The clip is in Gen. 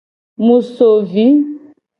Mu so vi.